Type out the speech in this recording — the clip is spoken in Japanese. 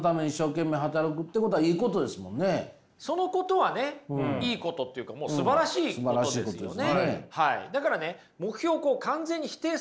そのことはねいいことっていうかもうすばらしいことですよね。